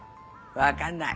分かんない。